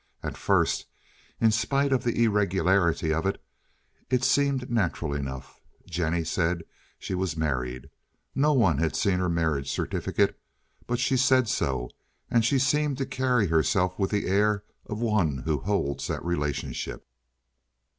At first, in spite of the irregularity of it, it seemed natural enough. Jennie said she was married. No one had seen her marriage certificate, but she said so, and she seemed to carry herself with the air of one who holds that relationship.